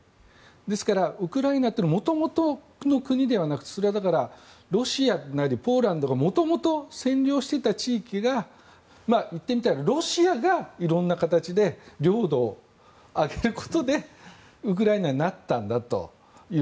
ですから、ウクライナというのは元々の国ではなくてそれはロシアなりポーランドが元々占領していた地域が言ってみたらロシアが色んな形で領土をあげることでウクライナになったんだという。